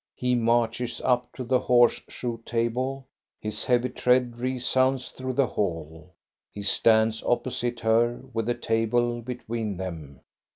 He marches up to the horse shoe table. His heavy tread resounds through the hall. He stands oppo site her, with the table between them.